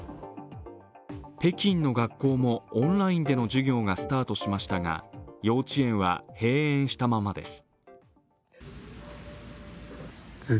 北京の学校もオンラインでの授業がスタートしましたが幼稚園は閉園したままです。